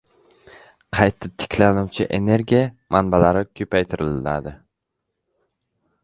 Qayta tiklanuvchi energiya manbalari ko‘paytiriladi